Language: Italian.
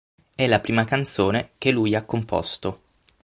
È la prima canzone che lui ha composto.